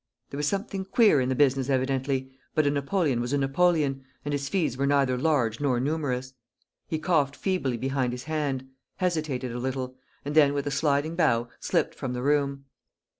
There was something queer in the business evidently, but a napoleon was a napoleon, and his fees were neither large nor numerous. He coughed feebly behind his hand, hesitated a little, and then with a sliding bow slipped from the room.